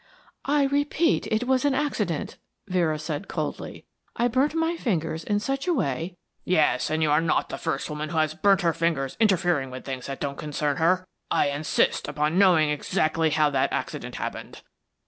"I repeat it was an accident," Vera said, coldly. "I burnt my fingers in such a way " "Yes, and you are not the first woman who has burnt her fingers interfering with things that don't concern her. I insist upon knowing exactly how that accident happened."